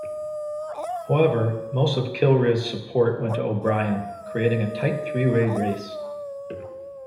However, most of Kilrea's support went to O'Brien, creating a tight three way race.